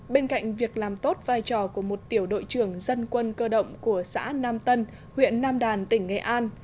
bên cạnh việc làm tốt vai trò của một tiểu đội trưởng dân quân cơ động của xã nam tân huyện nam đàn tỉnh nghệ an